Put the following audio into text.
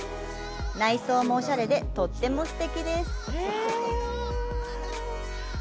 内装もオシャレで、とってもすてきです。